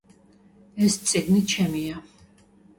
ეს წიგნი ჩემია